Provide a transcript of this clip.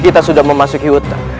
kita sudah memasuki hutan